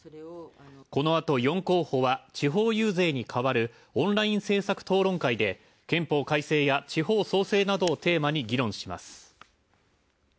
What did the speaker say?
このあと４候補は地方遊説に変わるオンライン政策討論会で、憲法改正や地方創生などをテーマに議論します。